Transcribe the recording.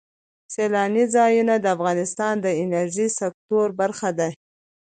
سیلاني ځایونه د افغانستان د انرژۍ سکتور برخه ده.